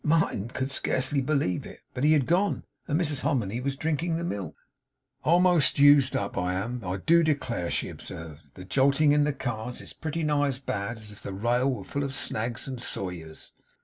Martin could scarcely believe it; but he had gone, and Mrs Hominy was drinking the milk. 'A'most used up I am, I do declare!' she observed. 'The jolting in the cars is pretty nigh as bad as if the rail was full of snags and sawyers.